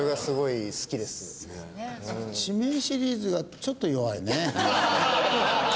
地名シリーズがちょっと弱いね。